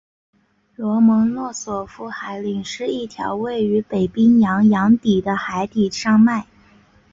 罗蒙诺索夫海岭是一条位于北冰洋洋底的海底山脉。